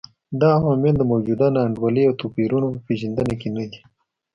دا عوامل د موجوده نا انډولۍ او توپیرونو په پېژندنه کې نه دي.